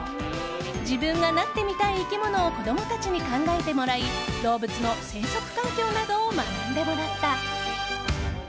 自分がなってみたい生き物を子供たちに考えてもらい動物の生息環境などを学んでもらった。